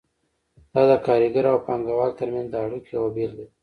دا د کارګر او پانګه وال ترمنځ د اړیکو یوه بیلګه ده.